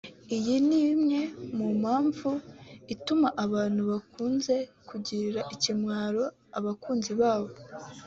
iyi nimwe mu mpamvu ituma abantu bakunze kugirira ikimwaro abakunzi babo